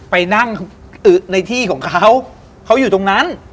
ไปนั่งในที่ของเขาเขาอยู่ตรงนั้น